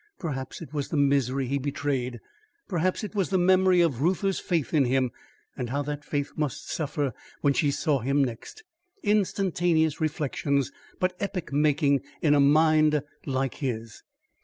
Perhaps it was the misery he betrayed. Perhaps it was the memory of Reuther's faith in him and how that faith must suffer when she saw him next. Instantaneous reflections; but epoch making in a mind like his.